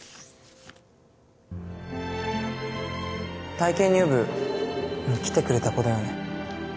体験入部に来てくれた子だよね？